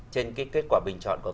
trên kết quả bình chọn của các bạn